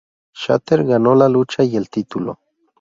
Shatter ganó la lucha y el título.